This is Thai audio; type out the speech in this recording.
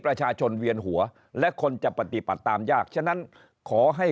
ประชาชนเวียนหัวและคนจะปฏิบัติตามยากฉะนั้นขอให้